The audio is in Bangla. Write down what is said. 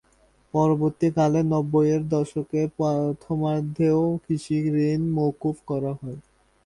পরবর্তীকালে নববই দশকের প্রথমার্ধেও কৃষিঋণ মওকুফ করা হয়।